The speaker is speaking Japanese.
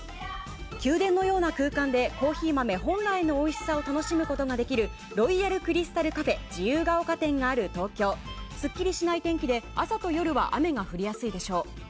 宮殿のような空間でコーヒー豆本来のおいしさを楽しむことができるＲＯＹＡＬＣＲＹＳＴＡＬＣＡＦＥ自由が丘店がある東京すっきりしない天気で朝と夜は雨が降りやすいでしょう。